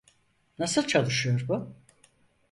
Nasıl çalışıyor bu?